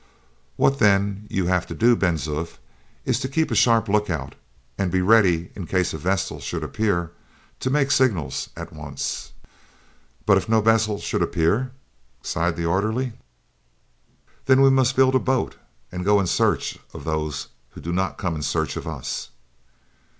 What, then, you have to do, Ben Zoof, is to keep a sharp lookout, and to be ready, in case a vessel should appear, to make signals at once." "But if no vessel should appear!" sighed the orderly. "Then we must build a boat, and go in search of those who do not come in search of us."